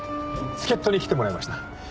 助っ人に来てもらいました。